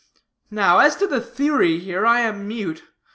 Now as to the theory here, I am mute.